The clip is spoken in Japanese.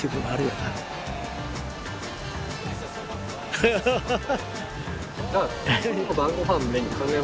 ハハハハ！